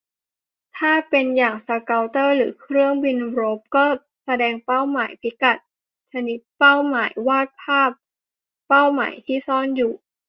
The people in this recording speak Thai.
ถ้าเป็นอย่างสเกาเตอร์หรือเครื่องบินรบ ก็แสดงเป้าหมาย พิกัด ชนิดเป้าหมาย วาดภาพเป้าหมายที่ซ่อนอยู่